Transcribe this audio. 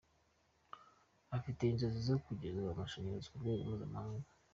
Afite inzozi zo kugeza ubushakashatsi ku rwego mpuzamahanga.